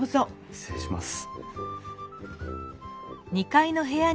失礼します。